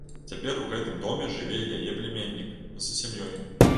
Цяпер у гэтым доме жыве яе пляменнік з сям'ёй.